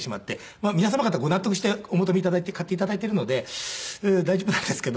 まあ皆様方ご納得してお求め頂いて買って頂いているので大丈夫なんですけど。